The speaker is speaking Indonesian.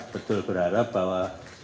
betul berharap bahwa